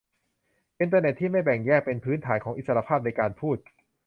อินเตอร์เน็ตที่ไม่แบ่งแยกเป็นพื้นฐานของอิสรภาพในการพูด